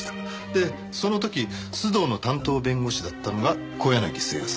でその時須藤の担当弁護士だったのが小柳征矢さん。